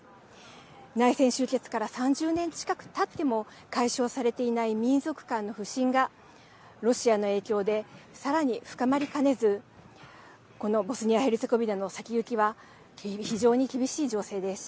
内戦終結から３０年近くたっても解消されていない民族間の不信がロシアの影響でさらに深まりかねずこのボスニア・ヘルツェゴビナの先行きは非常に厳しい情勢です。